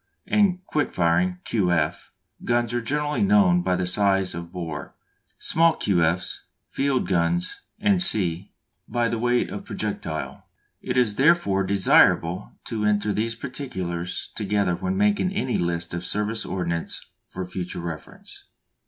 and quick firing (Q. F.) guns are generally known by the size of bore; small Q. F.'s, field guns, &c., by the weight of projectile. It is therefore desirable to enter these particulars together when making any list of service ordnance for future reference.